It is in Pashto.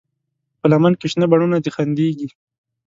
په لمن کې شنه بڼوڼه دي خندېږي